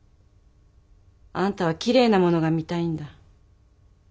あんたはきれいなものが見たいんだ。